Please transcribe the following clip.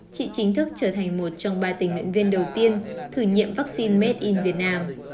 chị chính thức trở thành một trong ba tình nguyện viên đầu tiên thử nhiệm vaccine made in việt nam